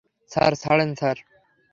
Sir, ছাড়েন, sir.